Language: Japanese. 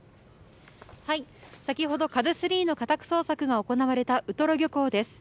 先ほど、カズスリーの捜索が行われたウトロ漁港です。